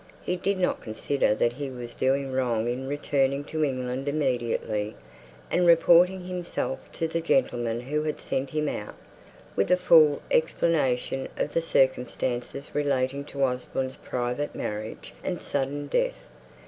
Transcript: He did not consider that he was doing wrong in returning to England immediately, and reporting himself to the gentlemen who had sent him out, with a full explanation of the circumstances relating to Osborne's private marriage and sudden death.